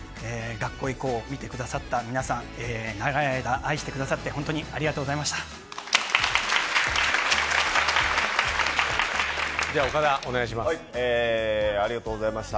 「学校へ行こう！」を見てくださった、皆さん、長い間愛してくださって本当にありがとうございました。